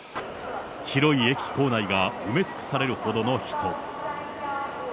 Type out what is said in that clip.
広い駅構内が埋め尽くされるほどの人。